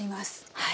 はい。